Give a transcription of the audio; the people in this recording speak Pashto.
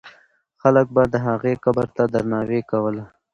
خلک به د هغې قبر ته درناوی کوله.